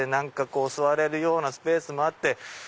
座れるようなスペースもあって。